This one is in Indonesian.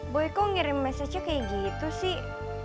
boy kok ngirim mesejnya kayak gitu sih